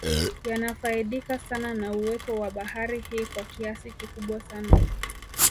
Yanafaidika sana na uwepo wa bahari hii kwa kiasi kikubwa sana